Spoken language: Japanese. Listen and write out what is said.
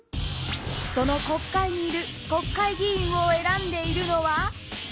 その国会にいる国会議員を選んでいるのは？